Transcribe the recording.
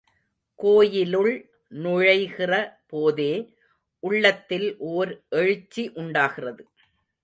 கோயிலுள் நுழைகிற போதே, உள்ளத்தில் ஓர் எழுச்சி உண்டாகிறது.